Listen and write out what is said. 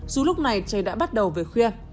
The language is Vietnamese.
dù lúc này chơi đã bắt đầu về khuya